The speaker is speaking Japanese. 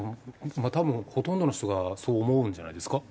たぶんほとんどの人がそう思うんじゃないですか。